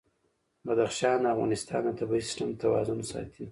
بدخشان د افغانستان د طبعي سیسټم توازن ساتي.